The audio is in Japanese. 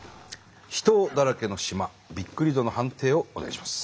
秘湯だらけの島びっくり度の判定をお願いします。